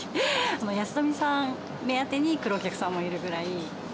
安富さん目当てに来るお客さんもいるぐらい。